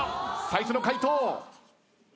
最初の回答。